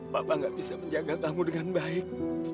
papa gak bisa menjaga kamu dengan baik